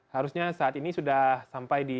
harusnya saat ini sudah sampai di